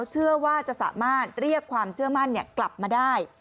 เชื่อว่าจะสามารถเรียกความเชื่อมั่นกลับมาได้